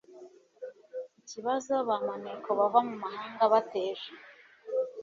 ikibazo ba maneko bava mu mahanga bateje